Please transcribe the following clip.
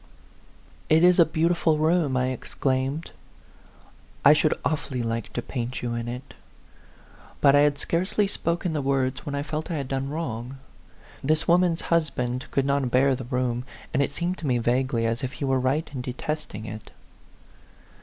" It is a beautiful room !" I exclaimed. "I should awfully like to paint you in it;" but I had scarcely spoken the words when I felt I had done wrong. This woman's hus band could not bear the room, and it seemed to me vaguely as if he were right in detest ing it.